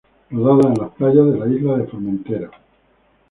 Rodada en las playas de la isla de Formentera.